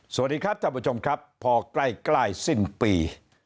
สวัสดีครับท่านผู้ชมครับพอใกล้สิ้นปี